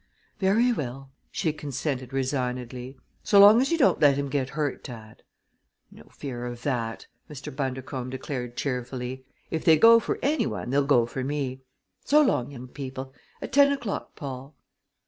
"Very well," she consented resignedly, "so long as you don't let him get hurt, dad." "No fear of that!" Mr. Bundercombe declared cheerfully. "If they go for any one they'll go for me. So long, young people! At ten o'clock, Paul!"